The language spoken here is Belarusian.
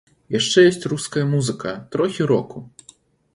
Яшчэ ёсць руская музыка, трохі року.